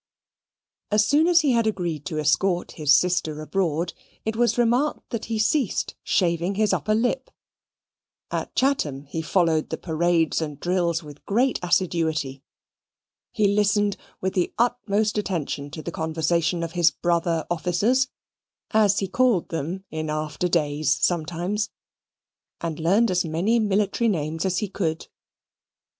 As soon as he had agreed to escort his sister abroad, it was remarked that he ceased shaving his upper lip. At Chatham he followed the parades and drills with great assiduity. He listened with the utmost attention to the conversation of his brother officers (as he called them in after days sometimes), and learned as many military names as he could.